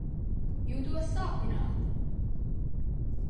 Jūtos sāpināta!